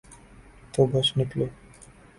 تو بچ نکلے۔